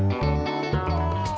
untuk menjaga kepentingan kota